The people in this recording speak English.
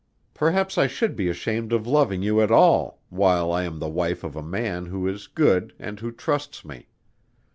Perhaps I should be ashamed of loving you at all, while I am the wife of a man who is good and who trusts me.